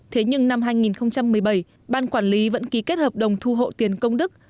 thế nhưng năm hai nghìn một mươi bảy ban quản lý vẫn ký kết hợp đồng thu hộ tiền công đức